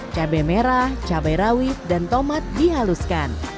cabai merah cabai rawit dan tomat dihaluskan